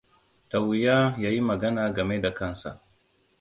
Da wuya ya yi magana game da kansa.